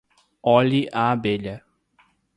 olhe a abelha